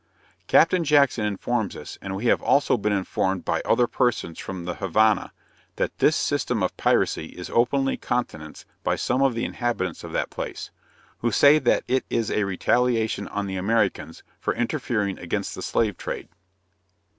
Captain Jackson informs us, and we have also been informed by other persons from the Havana, that this system of piracy is openly countenanced by some of the inhabitants of that place who say that it is a retaliation on the Americans for interfering against the Slave Trade.